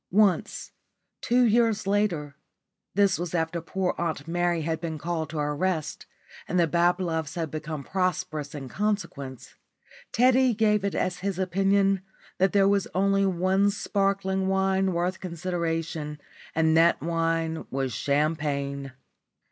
Once, two years later this was after poor Aunt Mary had been called to her rest and the Babloves had become prosperous in consequence Teddy gave it as his opinion that there was only one sparkling wine worth consideration and that wine was champagne.